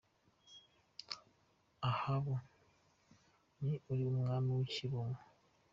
Ahabu, ko uri umwami w’ikirumbo !